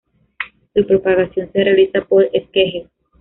Su propagación se realiza por esquejes.